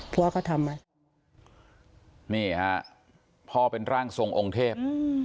พ่อก็ทำมานี่ฮะพ่อเป็นร่างทรงองค์เทพ